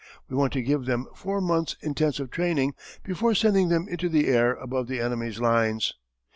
We want to give them four months' intensive training before sending them into the air above the enemy's lines.